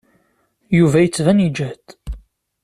Yuba yettban yeǧhed.